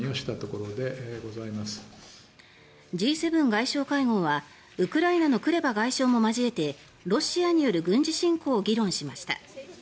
Ｇ７外相会合はウクライナのクレバ外相も交えてロシアによる軍事侵攻を議論しました。